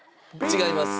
違います。